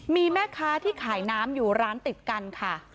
มีแม่ค้าที่ขายน้ำอยู่ร้านติดกันค่ะ